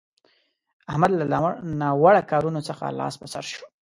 احمد له ناوړه کارونه څخه لاس پر سو شو.